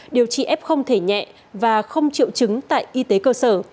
điều trị f không thể nhẹ và không triệu chứng tại y tế cơ sở